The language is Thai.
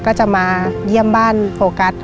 ก็จะมาเยี่ยมบ้านโฟกัส